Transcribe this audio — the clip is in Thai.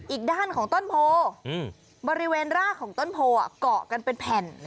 อีกด้านของต้นโพบริเวณรากของต้นโพเกาะกันเป็นแผ่น